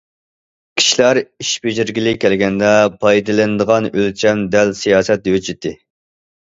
كىشىلەر ئىش بېجىرگىلى كەلگەندە پايدىلىنىدىغان ئۆلچەم دەل سىياسەت ھۆججىتى.